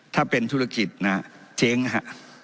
ถ้าเป็นธุรกิจจริงฮะ